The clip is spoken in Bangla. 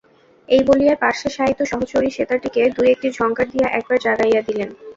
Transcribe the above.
এই বলিয়াই পার্শ্বে শায়িত সহচরী সেতারটিকে দুই-একটি ঝংকার দিয়া একবার জাগাইয়া দিলেন।